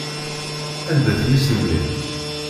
Anda-t mmi-s n mmi-m?